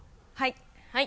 はい！